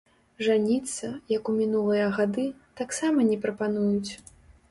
Жаніцца, як у мінулыя гады, таксама не прапануюць.